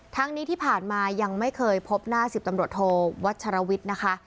ทั้งนี้ที่ผ่านมายังไม่เคยพบหน้า๑๐ตำรวจโทวัชรวิทย์นะคะ